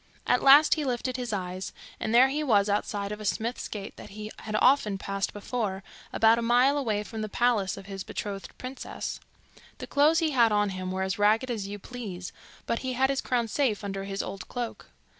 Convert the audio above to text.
At last he lifted his eyes, and there he was outside of a smith's gate that he often passed before, about a mile away from the palace of his betrothed princess. The clothes he had on him were as ragged as you please, but he had his crowns safe under his old cloak.